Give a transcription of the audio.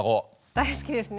大好きですね。